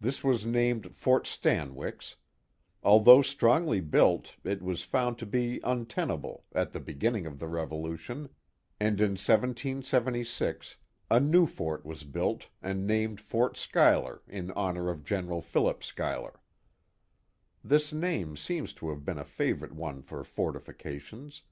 This was named Fort Stanwix; although strongly built it was found to be untenable at the beginning of the Revolution, and in 1776 a new fort was built and named Fort Schuyler in honor of General Philip Schuyler, (This name seems to have been a favorite one for fort ideations.